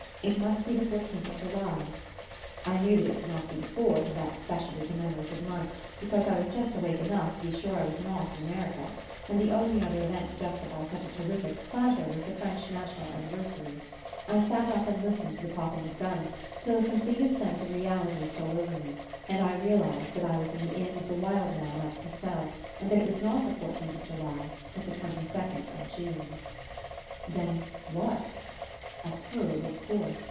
It must be the Fourteenth of July!" I knew it could not be the Fourth of that specially commemorative month, because I was just awake enough to be sure I was not in America; and the only other event to justify such a terrific clatter was the French national anniversary. I sat up and listened to the popping of guns till a completed sense of reality stole over me, and I realized that I was in the inn of the Wild Man at Cassel, and that it was not the fourteenth of July but the twenty second of June. Then, what ? A Taube, of course!